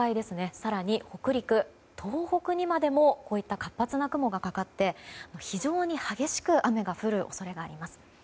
更に北陸、東北にまでもこういった活発な雲がかかって非常に激しく雨が降る恐れがあります。